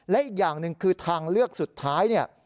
และอีกอย่างหนึ่งคือทางเลือกสุดท้ายเนี่ย